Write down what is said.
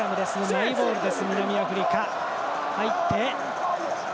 マイボール、南アフリカ。